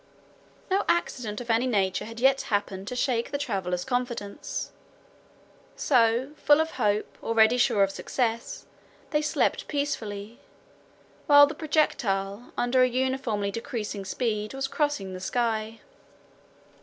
No accident of any nature had yet happened to shake the travelers' confidence; so, full of hope, already sure of success, they slept peacefully, while the projectile under an uniformly decreasing speed was crossing the sky.